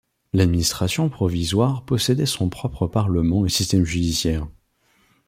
L'administration provisoire possédait son propre parlement et système judiciaire.